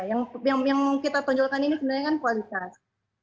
yang kita tonjolkan ini sebenarnya kan kualitas